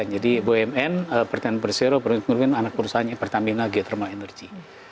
jadi bumn pertama persero pertamina giotimo energy